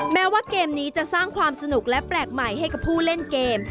แม้ว่าเกมนี้จะสร้างความสนุกและแปลกใหม่ให้กับผู้เล่นเกม